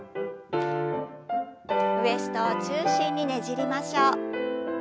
ウエストを中心にねじりましょう。